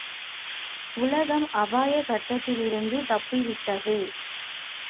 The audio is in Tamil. உலகம் அபாய கட்டத்திலிருந்து தப்பித்துவிட்டது!